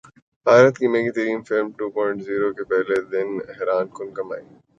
بھارت کی مہنگی ترین فلم ٹو پوائنٹ زیرو کی پہلے دن حیران کن کمائی